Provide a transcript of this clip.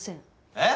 えっ！？